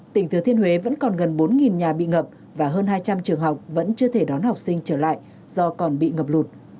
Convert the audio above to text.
tỉnh thừa thiên huế vẫn còn gần bốn nhà bị ngập và hơn hai trăm linh trường học vẫn chưa thể đón học sinh trở lại do còn bị ngập lụt